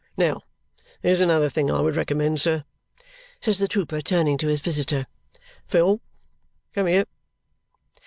Now, there's another thing I would recommend, sir," says the trooper, turning to his visitor. "Phil, come here!"